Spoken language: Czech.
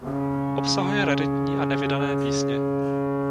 Obsahuje raritní a nevydané písně.